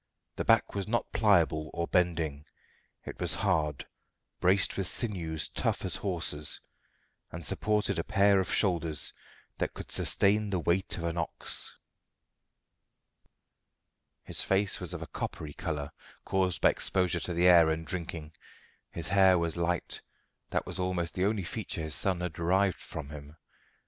The back was not pliable or bending; it was hard, braced with sinews tough as hawsers, and supported a pair of shoulders that could sustain the weight of an ox. His face was of a coppery colour, caused by exposure to the air and drinking. His hair was light: that was almost the only feature his son had derived from him.